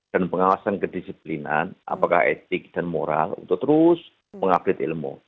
dan pengawasan kedisiplinan apakah etik dan moral untuk terus mengupdate ilmu